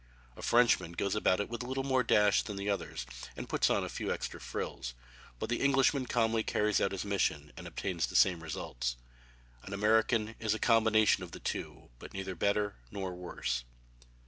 A Frenchman goes about it with a little more dash than the others, and puts on a few extra frills, but the Englishman calmly carries out his mission and obtains the same results. An American is a combination of the two, but neither better nor worse.